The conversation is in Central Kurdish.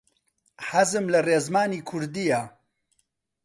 حەزم لە ڕێزمانی کوردییە.